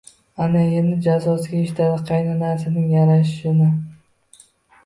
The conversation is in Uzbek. Аna endi jazosiga eshitadi qaynanasining sayrashini!